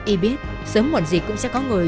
y biết sớm muộn dịch cũng sẽ có người